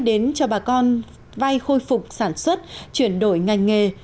đến cho bà con vay khôi phục sản xuất chuyển đổi ngành nghề